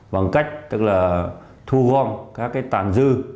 bằng cách thu gom các tàn dư